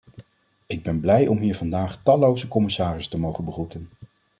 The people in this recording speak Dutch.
Ik ben blij om hier vandaag talloze commissarissen te mogen begroeten.